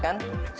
salam pak bisti